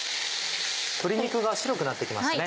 鶏肉が白くなって来ましたね。